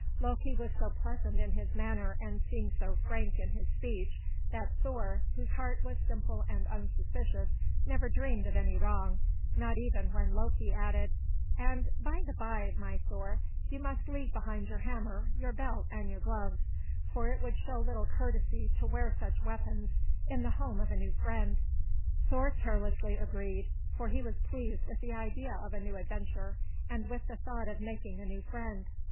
Loki was so pleasant in his manner and seemed so frank in his speech that Thor, whose heart was simple and unsuspicious, never dreamed of any wrong, not even when Loki added, "And by the bye, my Thor, you must leave behind your hammer, your belt, and your gloves; for it would show little courtesy to wear such weapons in the home of a new friend." Thor carelessly agreed; for he was pleased with the idea of a new adventure, and with the thought of making a new friend.